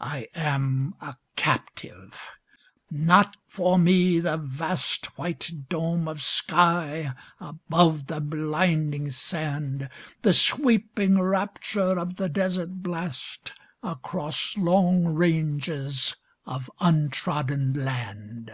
I am a captive ... not for me the vast, White dome of sky above the Winding sand. The sweeping rapture of the desert blast Across long ranges of untrodden land!